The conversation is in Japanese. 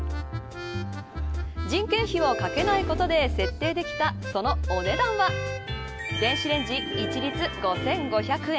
人件費をかけないことで設定できた、そのお値段は電子レンジ一律５５００円。